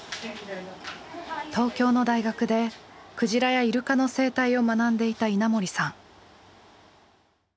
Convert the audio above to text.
東京の大学でクジラやイルカの生態を学んでいた稲森さん。